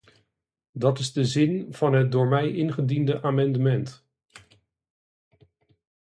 Dat is de zin van het door mij ingediende amendement.